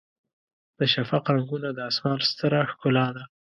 د شفق رنګونه د اسمان ستره ښکلا ده.